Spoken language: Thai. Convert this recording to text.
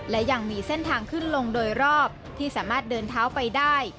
และยังมีเส้นทางขึ้นลงโดยรอบที่สามารถเดินเท้าไปได้